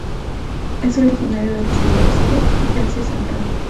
Es originario del suroeste y Asia Central.